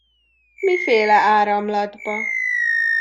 Miféle áramlatba?